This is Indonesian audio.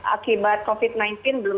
akibat covid sembilan belas belum